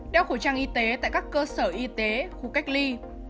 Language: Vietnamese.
đeo khẩu trang y tế tại các cơ sở y tế khu cách ly